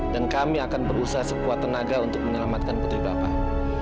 dan kami akan berusaha sekuat tenaga untuk menyelamatkan putri bapak